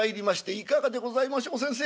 「いかがでございましょう先生。